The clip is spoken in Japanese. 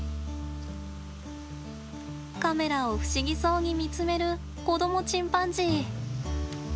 カメラを不思議そうに見つめる子どもチンパンジー。